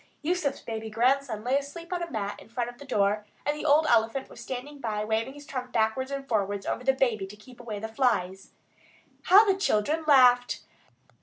Yusuf's baby grandson lay asleep on a mat in front of the door, and the old elephant was standing by waving his trunk backwards and forwards over the baby to keep away the flies. How the children laughed!